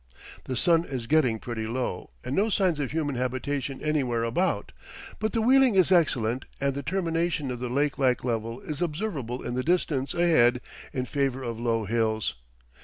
The sun is getting pretty low, and no signs of human habitation anywhere about; but the wheeling is excellent, and the termination of the lake like level is observable in the distance ahead in favor of low hills.